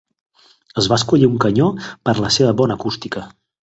Es va escollir un canyó per la seva bona acústica.